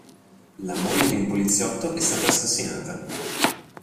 La moglie di un poliziotto è stato assassinata.